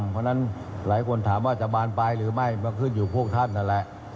เพราะฉะนั้นหลายคนถามว่าจะบานปลายหรือไม่ก็ขึ้นอยู่พวกท่านนั่นแหละ